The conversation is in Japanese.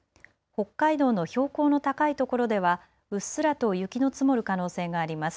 北海道の標高の高いところではうっすらと雪の積もる可能性があります。